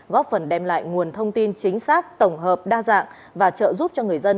góp phần đem lại nguồn thông tin chính xác tổng hợp đa dạng và trợ giúp cho người dân